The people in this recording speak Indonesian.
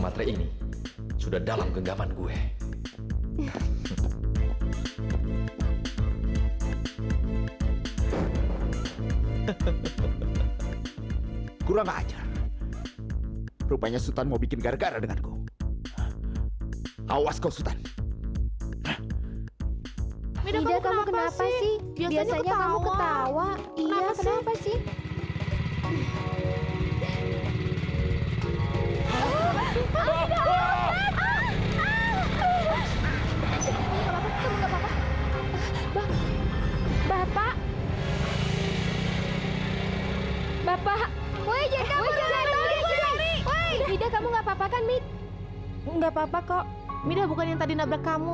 mida bukan yang tadi nabrak kamu